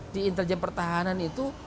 di intelijen pertahanan itu